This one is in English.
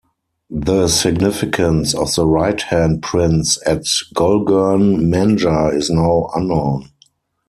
The significance of the right hand prints at Gulgurn Manja is now unknown.